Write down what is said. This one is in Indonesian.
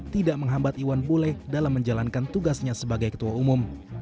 tidak menghambat iwan bule dalam menjalankan tugasnya sebagai ketua umum